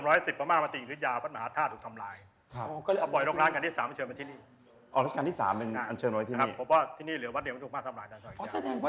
มีพระกษัตริย์ที่ทรงศาสตร์ในศาสนาพราหมิดู